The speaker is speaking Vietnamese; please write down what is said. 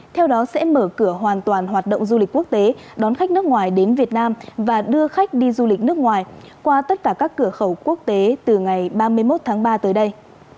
theo đó sẽ mở cửa hoàn toàn hoạt động du lịch quốc tế đón khách nước ngoài đến việt nam và đưa khách đi du lịch nước ngoài qua tất cả các cửa khẩu quốc tế từ ngày ba mươi một tháng ba tới đây